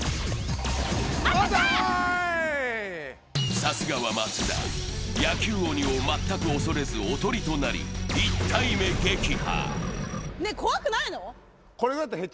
さすがは松田、野球鬼を全く恐れず囮となり、１体目撃破。